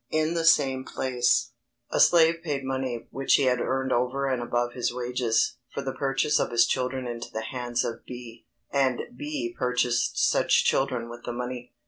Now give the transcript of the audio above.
[Sidenote: Ibid.] A slave paid money which he had earned over and above his wages, for the purchase of his children into the hands of B, and B purchased such children with the money.